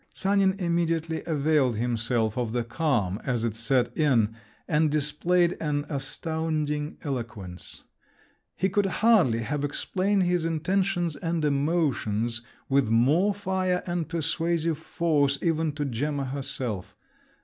Sanin immediately availed himself of the calm as it set in, and displayed an astounding eloquence. He could hardly have explained his intentions and emotions with more fire and persuasive force even to Gemma herself.